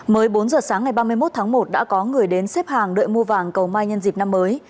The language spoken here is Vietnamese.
mới bốn giờ sáng ngày ba mươi một tháng một đã có người đến xếp hàng đợi mua vàng cầu mai nhân dịp năm mới